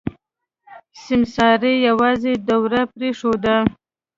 سيمسارې يوازې دوړه پرېښوده.